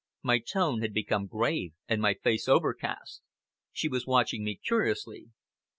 My tone had become grave, and my face overcast. She was watching me curiously.